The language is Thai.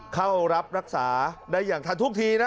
เข้ารับรักษาได้อย่างทันทุกทีนะ